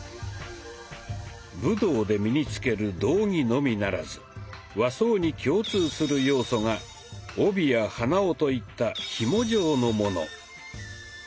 武道で身に着ける道着のみならず和装に共通する要素が帯や鼻緒といった紐状のもの。